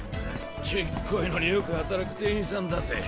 ちっこいのによく働く店員さんだぜ。